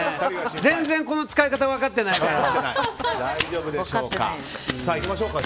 全然この使い方分かってないから。